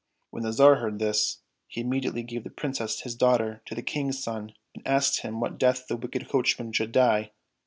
When the Tsar heard this, he immediately gave the Princess his daughter to the King's son, and they asked him what death the wicked coachman should die.